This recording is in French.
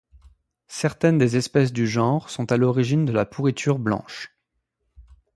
Certaines des espèces du genre sont à l'origine de la pourriture blanche.